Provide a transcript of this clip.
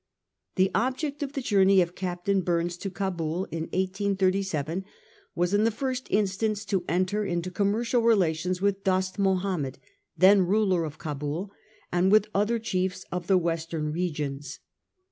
The object of the journey of Captain Bumes to Cabul in 1837 was in the first instance to enter into commercial relations with Dost Mahomed, then ruler of Cabul, and with other chiefs of the western regions.